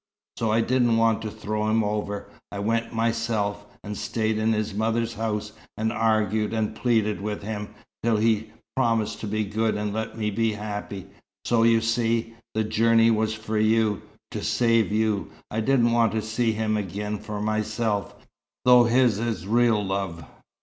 So I didn't want to throw him over. I went myself, and stayed in his mother's house, and argued and pleaded with him, till he'd promised to be good and let me be happy. So you see the journey was for you to save you. I didn't want to see him again for myself, though his is real love.